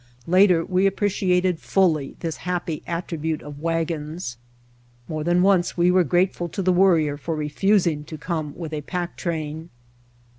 Later we appreciated fully this happy attribute of wagons. More than once we were grateful to the Worrier for refusing to come with a pack train.